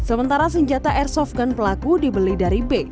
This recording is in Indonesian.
sementara senjata airsoft gun pelaku dibeli dari b